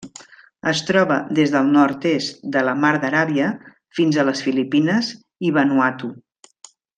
Es troba des del nord-est de la Mar d'Aràbia fins a les Filipines i Vanuatu.